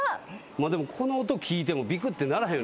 この音聞いてもビクッてならへん。